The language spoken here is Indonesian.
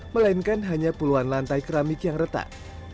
melainkan hanya puluhan lantai keramik yang retak